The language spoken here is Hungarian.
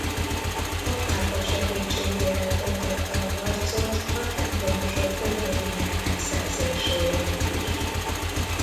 A pápa segítségével folytatta a harcot a Templomosok földjeinek megszerzéséért is.